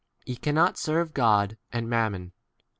Ye cannot serve God and mammon.